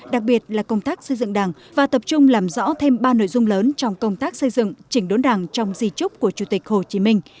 đặc biệt là công tác xây dựng đảng và tập trung làm rõ thêm ba nội dung lớn trong công tác xây dựng chỉnh đốn đảng trong di trúc của chủ tịch hồ chí minh